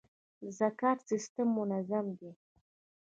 د زکات سیستم منظم دی؟